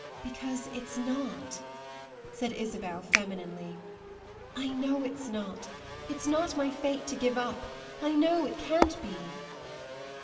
"Because it's not," said Isabel femininely. "I know it's not. It's not my fate to give up I know it can't be."